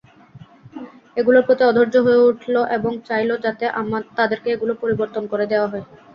এগুলোর প্রতি অধৈর্য হয়ে উঠল এবং চাইল যাতে তাদেরকে এগুলো পরিবর্তন করে দেয়া হয়।